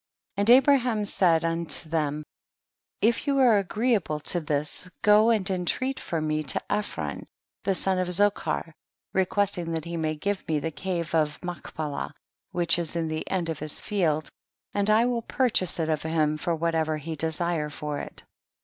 4. And Abraham said unto them, if you are agreeable to this go and intreat for me to Ephron, the son of Zochar, requesting that he may give me the cave of Machpelah, which is in the end of his field, and I will purchase it of him for whatever he desire for it.